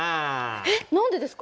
えっ何でですか？